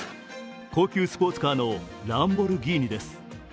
高級スポーツカーのランボルギーニです。